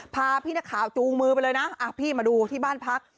พาพี่นักข่าวจูงมือไปเลยนะพี่มาดูที่บ้านพัก